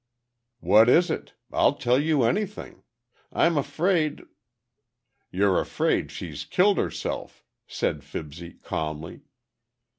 "What is it? I'll tell you anything. I'm afraid—" "You're afraid she's killed herself," said Fibsy, calmly.